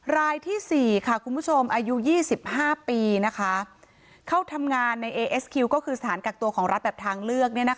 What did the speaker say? รายที่สี่ค่ะคุณผู้ชมอายุยี่สิบห้าปีนะคะเขาทำงานในเอเอสคิวก็คือสถานกักตัวของรัฐแบบทางเลือกเนี่ยนะคะ